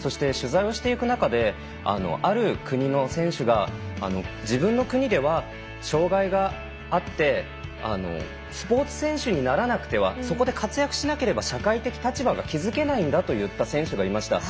そして、取材をしていく中である国の選手が自分の国では障がいがあってスポーツ選手にならなくてはそこで活躍しなければ社会的立場が築けないんだと言った選手がいました。